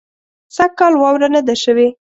سږ کال واوره نۀ ده شوې